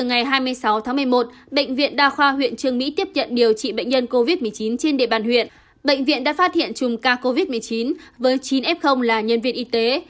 ngày hai mươi sáu tháng một mươi một bệnh viện đa khoa huyện trương mỹ tiếp nhận điều trị bệnh nhân covid một mươi chín trên địa bàn huyện bệnh viện đã phát hiện chùm ca covid một mươi chín với chín f là nhân viên y tế